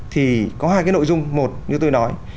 thì có hai cái nội dung một như tôi nói